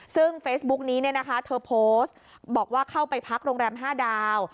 ซึ่งเฟซบุ๊คนี้เธอโพสต์บอกว่าเข้าไปพักโรงแรมห้าดาว